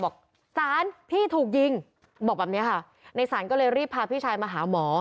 บอกสารพี่ถูกยิงบอกแบบนี้ค่ะในศาลก็เลยรีบพาพี่ชายมาหาหมอ